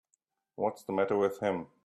What's the matter with him.